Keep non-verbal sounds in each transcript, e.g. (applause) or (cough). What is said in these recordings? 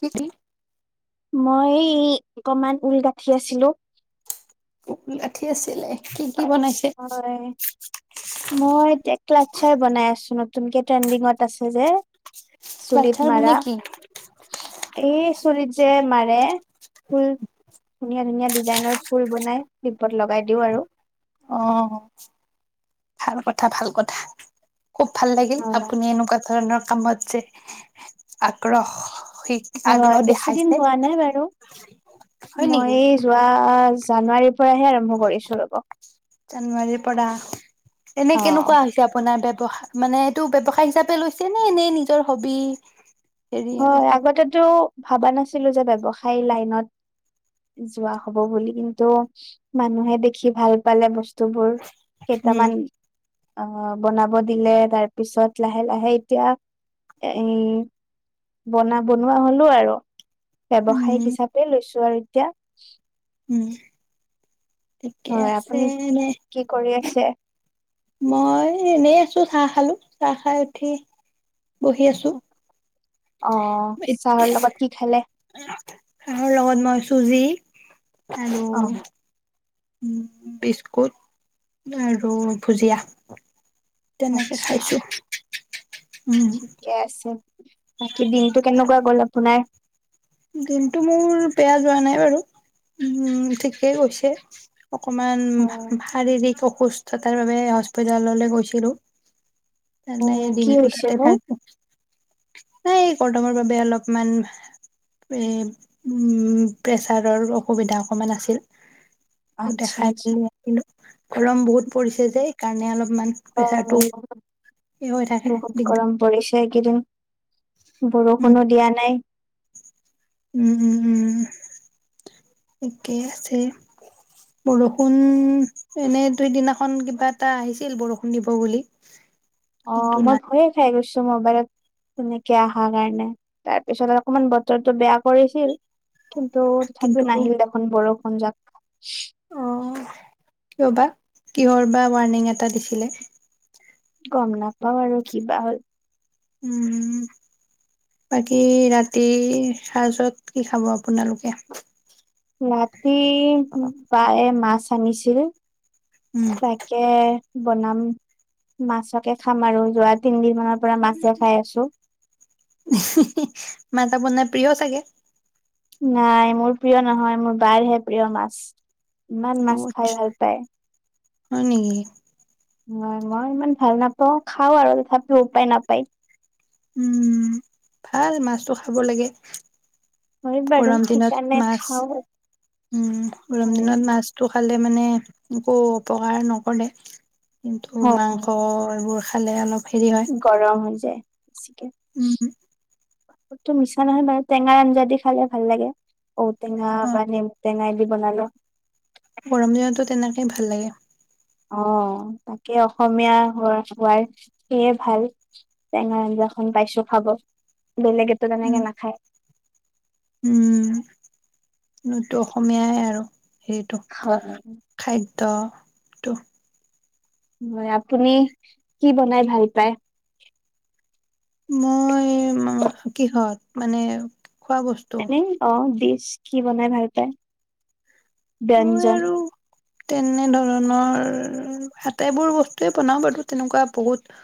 কি? কি? মই অকমান ঊল গাঁঠি আছিলো। গাঁঠি আছিলে। কি? কি বনাইছে হয়। মই এতিয়া ক্লাটচাৰ বনাই আছো। নতুনকে ট্ৰেণ্ডিঙত আছে যে। চুলিত ক্লাটচাৰ মাৰা মানে কি? এই চুলিত যে মাৰে ফুল। ধুনীয়া- ধুনীয়া। ডিজাইনৰ ফুল বনাই (unintelligible) ‌ লগাই দিওঁ আৰু অ ভাল কথা, ভাল কথা। খুব ভাল লাগিল, হয়, আপুনি এনেকুৱা ধৰণৰ কামত যে আগ্ৰহ হয়, আগ্ৰহ বেছি দিন দেখাইছে হোৱা নাই বাৰু, হয় মই নেকি এই যোৱা জানুৱাৰীৰ পৰাহে আৰম্ভ কৰিছো ৰ'ব। জানুৱাৰীৰ পৰা? এনে অ', কেনেকুৱা হৈছে আপোনাৰ ব্যব ৱসা মানে এইটো ব্যৱসায় হিচাপে লৈছে, নে এনেই নিজৰ হবি? হেৰি আৰু হয় আগতেতো ভাবা নাছিলো যে ব্যৱসায় লাইনত যোৱা হ'ব বুলি কিন্তু মানুহে দেখি ভাল পালে বস্ বস্তুবোৰ উম কেইটামান অহ, বনাব দিলে তাৰ পিছত লাহে লাহে এতিয়া এ বনা বনোৱা হ'লো আৰু। ব্যৱসায়িক উম হিচাপে লৈছো। আৰু এতিয়া? উম। ঠিকে হয়, আছে আপুনি এনে কি কৰি আছে? মই এনেই আছো চাহ খালোঁ, চাহ খাই উঠি বহি আছো। অ', চাহৰ লগত কি খালে? আৰু লগত মই চুজি আৰু অ উম, বিস্কুট আৰু ভুজিয়া। তেনেকে আচ্ছা খাইছো। উম ঠিকে আছে। বাকী দিনতটো কেনেকুৱা গ'ল আপোনাৰ? দিনটো মোৰ বেয়া যোৱা নাই বাৰু উম, ঠিকেই গৈছে। অকমান অ শাৰীৰিক সুস্থতাৰ বাবে হস্পিতাললৈ গৈছিলো। অ তানে কি দিনটো হৈছে তাতে নো থাক নাই কলদমৰ বাবে অলপমান উম, প্ৰেছাৰৰ অসুবিধা অকণমান আছিল। ত আচ্ছা দেখাই আচ্ছা হয় পিলে বোলো গৰম বহুত পৰিছে যে এইকাৰণে অলপমান প্ৰেচাৰটো বহুত হৈ থাকে বহুত দিগদাৰ গৰম পৰিছে এইকেইদিন উম বৰষুণো দিয়া নাই। তিকে আছে বৰষুণ এনেই দুইদিনাখন কিবা এটা আহিছিল বৰষুণ দিব বুলি কিন্তু অঁ মই নাই ভয়ে খাই গৈছো। মবাইলত তেনেকে অহাৰ কাৰণে তাৰপিছত অকমান বতৰটো বেয়া কৰিছিল কিন্তু তথাপিও নাহিল দেখোন বৰষ সজাক অঁ ৰবা কিহৰ বা ৱানিংৰ এটা দিছিলে গম নাপাওঁ আৰু কি বা হ'ল উম বাকী ৰাতি সাৰজত কি খাব আপোনালোকে ৰাতি প্ৰায় মাছ খানিছিল উম তাকেয বনাম মাছকে খাম আৰু যোৱা তিনদিন মানৰ পৰা মাছো খাই আছো বনাই প্ৰিয় চাগে নাই মোৰ প্ৰিয় নহয় মোৰ বাৰহে প্ৰিয় মাছ ইমান মাছ খাই ভাল পায় হয় নেকি? হয় মই ইমান ভাল নাপাওঁ খাও আৰু তথাপিও উপায় নাপায়। উম ভাল মাছটো খাব লাগে। হয় বাৰু গৰম দিনত সেইকাৰণে মাছ খাও উম গৰম হয় দিনত মাছটো খাল মানে একো অকাৰ নকৰে। কিন্তু হয় মাংস এইবোৰ খালে অলপ হেৰি হয় গৰম হৈ যায়। চিকেন উম তো মিছা নহয় বাৰু টেঙাৰ আঞ্জা দি খালে ভাল লাগে। ঔটেঙা অ বা নে টেঙাই দি বনালে। গৰম দিনতো তেনেকেই ভাল লাগে। অ তাকে অসমীয়া হোৱা হোৱাৰ সেইয়ে ভাল টেঙা আঞ্জাখন পাইছো খাব, বেলেগেতো উম তেনেকে নাখায়। উম নতো অসমীয়াই আৰু। সেইটো হয় খাইদ ত হয় আপুনি কি বনাই ভাল পায় মই, কিহঁত মানে? খোৱা বস্তু এনে অ', দি কি বনাই ভাল পায়? মই ব্যঞ্জন আৰু তেনে ধৰণৰ আটাইবোৰ বস্তুৱে বনাওঁ বাৰু তেনেকুৱা বহুত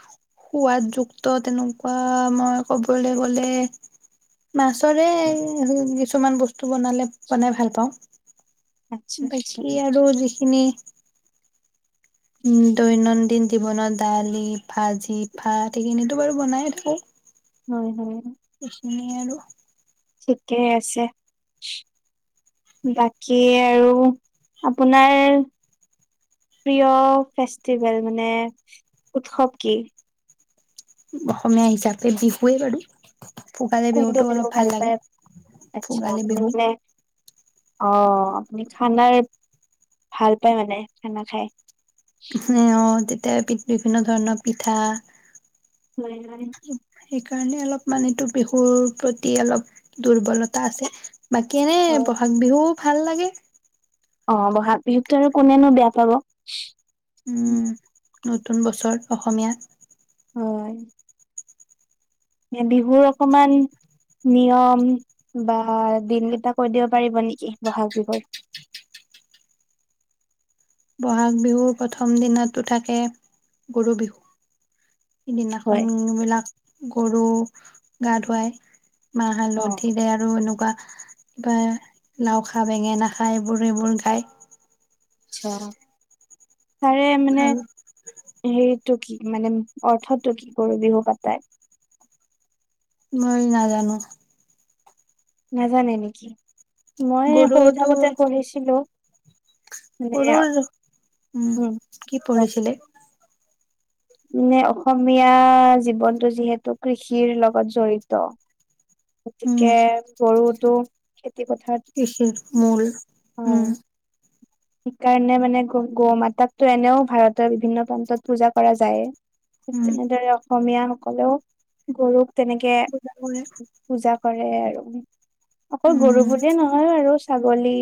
সোৱাদযুক্ত তেনেকুৱা মই ক'বলৈ গ'লে মাছৰে কিছুমান বস্তু বনালে বনাই ভাল পাওঁ। আচ্ছা আচ্ছা বাকী আৰু যিখিনি উম, দৈনন্দিন জীৱনত দালি, ভাজি, ভাত সেইখিনো বাৰু বনাই থাকো। হয়, হয়। এইখিনি আৰু ঠিকেই আছে, বাকী আৰু আপোনাৰ প্ৰিয় ফেষ্টিভেল মানে উৎসৱ কি? অসমীয়া হিচাপে বিহুৱেই বাৰু। ভোগালী কোনটো বিহুতটো বিহু অলপ ভাল পায় লাগে, আচ্ছা ভোগালী আপুনি বিহু। মানে অ', আপুনি খানাৰ ভাল পায় মানে, খানা খাই। (unintelligible) অ' দে তাতে (unintelligible) বিভিন্ন ধৰণৰ পিঠা হয়--হয়। কাৰণে, অলপমান এইটো বিহুৰ প্ৰতি অলপ দুৰ্বলতা আছে। বাকী এনেই বহাগ বিহু ভাল লাগে। অ', ব'হাগ বিহুততো আৰু কোনেনো বেয়া পাব? উম্, নতুন বছৰ, অসমীয়া হয়। বিহুৰ অকণমান নিয়ম বা দিন কেইটা কৈ দিব পাৰিব নেকি? বহাগ বিহুৰ বহাগ বিহুৰ প্ৰথম দিনাটো থাকে, গৰু বিহু। সিদিনাখন, হয়, বিলাক গৰু গা ধুৱাই। মাহ অ' হালধিৰে আৰু এনেকুৱা কিবা লাও খা, বেঙেনা খা এইবোৰ-এইবোৰ গায়। আচ্ছা। তাৰে মানে আৰু হেৰি টো কি মানে অৰ্থটো কি কৰো বিহু পাতা? মই নাজানো। নাজানে নেকি? মই সৰু গৰুটো থাকোতে পঢ়িছিলো। মানে গৰুৰ উম উম, কি পঢ়িছিলে? মানে অসমীয়া জীৱনটো যিহেতু কৃষিৰ লগত জড়িত। উম গতিকে গৰুটো খেতি পথাৰত কৃষিৰ মূল হয় উম সেইকাৰণে মানে গ গৌ মাতাকো এনেও ভাৰতৰ বিভিন্ন প্ৰান্তত পূজা কৰা যায় ঠিক উম তেনেদৰে অসমীয়া কলেও গৰুক তেনেকে পূজা কৰে পূজা কৰে আৰু অকলৌ গৰু উম বুলিয়ে নহয় আৰু ছাগলী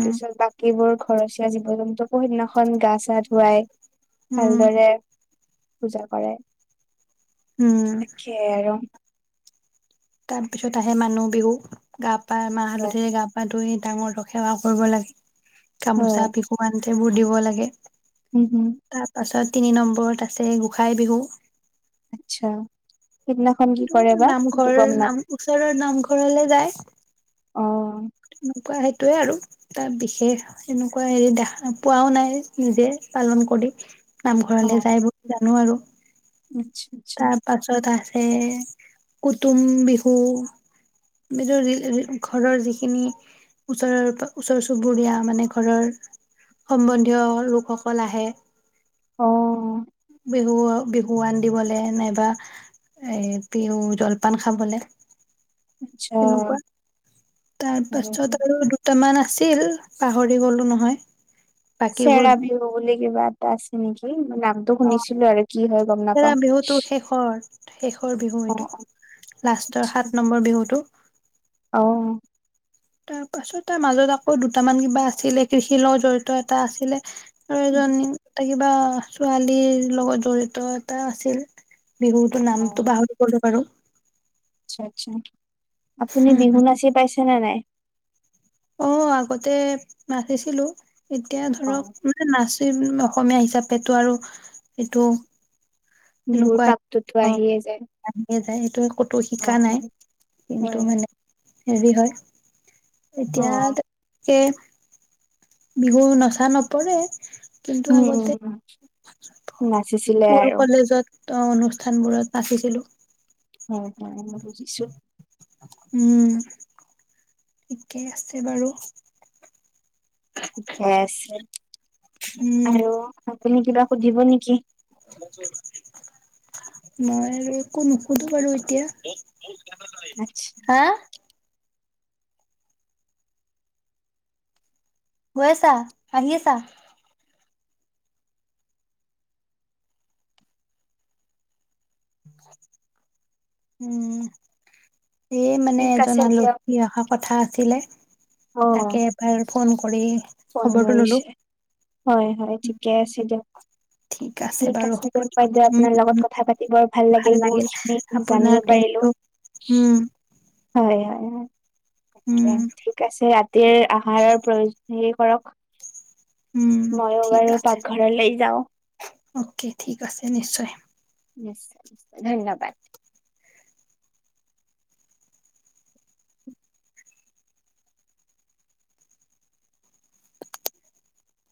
ত তাৰ পিছত বাকীবোৰ ঘৰচীয়া জীৱ জন্তুকন্্যখন গা গা ধুৱাই উম ভালদৰে পূজা কৰে উম তাকেইাই আৰু তাৰপিছত আহে মানুহ বিহু গাপ পায় মাহ হয় হালধিৰে গা পা ধুই ডাঙৰটো সেৱা কৰিব লাগে হয় গামোচা বিহুুৱান সবোৰ দিব লাগে উম হম তাৰ পাছত তিনি নম্বৰত আছে গোঁসাই বিহু আচ্ছা কৰে বা সেইটো নামঘৰ গম নাপ নাম ওচৰৰ নামঘৰ ঘৰলৈ যায় অ' সেইটোয়ে আৰু তাৰ বিশেষ এনেকুৱা হেৰি দেখা পোৱাও নাই নিজে পালন কৰি অ নামঘৰলে যায় বুলি জানো আৰু আচ্ছা আচ্ছা তাৰ পাছত আ কুটুম বিহু বুলি ঘৰৰ খিন ওচৰৰ পৰা ওচৰ চুবুৰীয়া মানে ঘৰৰ সম্বন্ধীয় লোকসকল আহে অ' বিহু বিহুৱান দিবলৈ নাইবা এ বিহু জলপান খাবলৈ আচ্ছা তাৰ পাছত আৰু দুটা ইমান আছিল পাহৰি গলো নহয় বাকীবোৰ চেৰা বিহু উনে কিবা আছে নেকি। নামটো অ শুনিছিলো আৰু কি হয় গম থেৰা নাপওঁ। বিহুটো শেষৰ শেষৰ বিহু এইটো লাষ্টৰ আচ্ছা সাত নম্বৰ বিহুতটো। অ'। তাৰ পাছত তাৰ মাজত আকৌ দুটামান কিবা আছিলে কৃষিৰ লগত জড়িত এটা আছিলে। আৰু উম, এজনী তাইক কিবা ছোৱালীৰ লগত জড়িত এটা আছিল। বিহুতো নামটো অ', পাহৰি গলো বাৰু। আচ্ছা আচ্ছা। আপুনি বিহু নাচি পাইছে। ন' নাই। অ', আগতে মাতিছিলো। এতিয়া ধৰক অ', মানে নাচ অসমীয়া হিচাপটো আৰু এইটো বিহুৰ এনেকুৱাই পাকটোতো আহিয়ে যায়। যায় সেইটোোৱে ক'তো শিকা নাই অ', হয় কিন্তু হয়। মানে হেৰি হয়। এতিয়া অ', তনেকে বিহু নচা নপৰে। কিন্তু উম, উম, আগতে উম, নাচিছিলে স্কুল আৰু কলেজত অ', অনুষ্ঠানবোৰত নাছি লো হয়, হয় মই বুজিছো। উম। ঠিকেই আছে বাৰু। ঠিকে আছে। উম আৰু আপুনি কিবা সুধিব নেকি? মই আৰু একো নুশুধো বাৰু এতিয়া। হা (unintelligible) গৈছা, আহিছা? উম। এই মানে ঠিক এজন আছে দিয়ক। আলহী অহা কথা আ ছিলে অ', তাকে (unintelligible) ফোন কৰি ফোন খবৰটো ললো কৰিছে, হয়, হয়, ঠিকে আছে দিয়ক। ঠিক বাৰু আছে হ'ব দিয়ক, বাইদেউ উম আপোনাৰ লগত উম কথা পাতি বৰ ভাল লাগিল, বহুতখিনি জানিব পাৰিলোঁ। উম হয়, হয়, হয়। উম ঠিক আছে (unintelligible) (unintelligible) আহাৰৰ প্ৰয়ো (unintelligible) কৰক। উম, ময়ো ঠিক বাৰু আছে, পাকঘৰলৈ যাওঁ অকে ঠিক আছে, নিশ্চয়। নিশ্চ ধন্যবাদ।